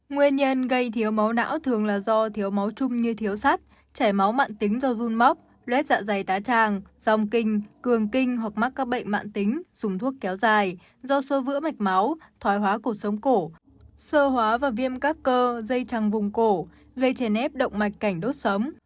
nguyên nhân gây thiếu máu não thường là do thiếu máu trung như thiếu sắt chảy máu mạng tính do run móc lết dạ dày tá tràng dòng kinh cường kinh hoặc mắc các bệnh mạng tính sùng thuốc kéo dài do sơ vữa mạch máu thoái hóa cổ sống cổ sơ hóa và viêm các cơ dây trăng vùng cổ gây chảy nếp động mạch cảnh đốt sấm